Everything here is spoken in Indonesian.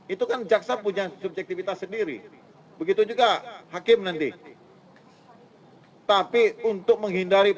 itu kan jaksa punya subjektivitas sendiri begitu juga hakim nanti tapi untuk menghindari